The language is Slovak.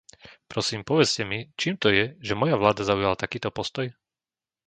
Prosím, povedzte mi, čím to je, že moja vláda zaujala takýto postoj?